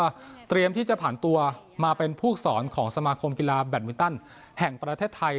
เตรียมที่จะผ่านตัวมาเป็นผู้สอนของสมาคมกีฬาแบตมินตันแห่งประเทศไทย